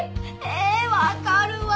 え分かるわ。